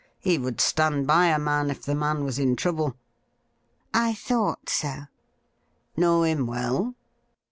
He would stand by a man if the man was in trouble.' ' I thought so.' ' Know him well